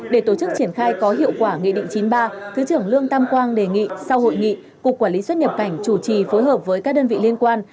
để tổ chức triển khai có hiệu quả nghị định chín mươi ba thứ trưởng lương tam quang đề nghị sau hội nghị cục quản lý xuất nhập cảnh chủ trì phối hợp với các đơn vị liên quan